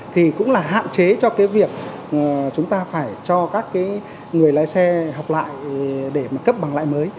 thì cũng là hạn chế cho cái việc chúng ta phải cho các cái người lái xe học lại để mà cấp bằng lại mới